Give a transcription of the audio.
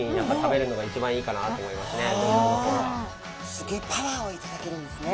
すギョいパワーを頂けるんですね。